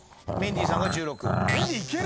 メンディーさんが１６。